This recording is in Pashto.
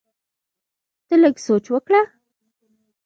ته لږ سوچ وکړه!